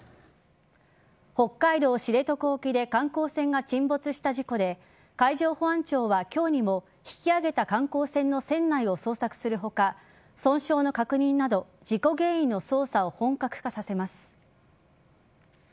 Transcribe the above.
北海道知床沖で観光船が沈没した事故で海上保安庁は今日にも引き揚げた観光船の船内を捜索する他損傷の確認など事故原因の捜査を本格化させます。